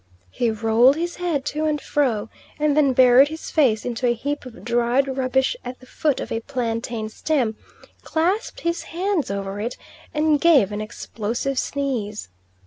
He rolled his head to and fro, and then buried his face into a heap of dried rubbish at the foot of a plantain stem, clasped his hands over it, and gave an explosive sneeze.